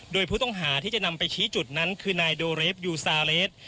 โดยผู้ต้องหาที่จะนำไปชี้จุดนั้นคือนายโดเรฟยูซาเลส